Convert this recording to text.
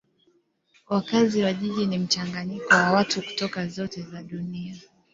Wakazi wa jiji ni mchanganyiko wa watu kutoka zote za dunia.